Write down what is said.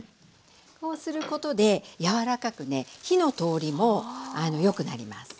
こうすることで柔らかく火の通りもよくなりますはい。